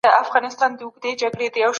کمپيوټر د روغتون مرسته کوي.